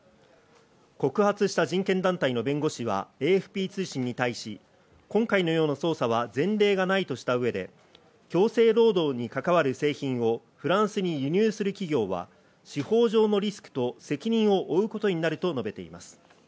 告発した人権団体の弁護士はＡＦＰ通信に対し、今回のような捜査は前例がないとした上で、強制労働に関わる製品をフランスに輸入する企業は司法上のリスクと責任を負うことになると述べています。